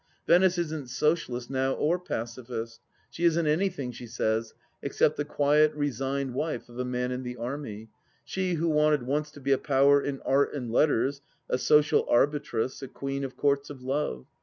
Venice isn't socialist now or Pacifist ; she isn't anything, she says, except the quiet resigned wife of a man in the army — she who wanted once to be a power in Art and Letters, a social arbitress, a Queen of Courts of Love.